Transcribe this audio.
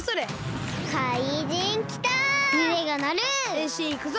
へんしんいくぞ！